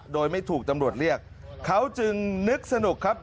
โดยไม่ถูกตำรวจเรียกเขาจึงนึกสนุกครับยิบโทรศัพท์ขึ้นมาถ่าย